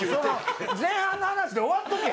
前半の話で終わっとけ。